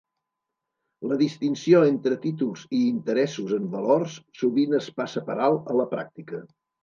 La distinció entre títols i interessos en valors sovint es passa per alt a la pràctica.